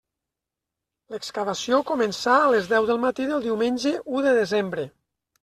L'excavació començà a les deu del matí del diumenge u de desembre.